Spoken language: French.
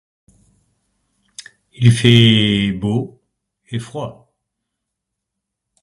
il fait beau et froid